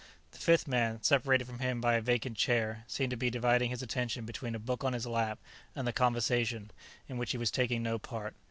The fifth man, separated from him by a vacant chair, seemed to be dividing his attention between a book on his lap and the conversation, in which he was taking no part.